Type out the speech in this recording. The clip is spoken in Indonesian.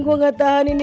gue gak tahan ini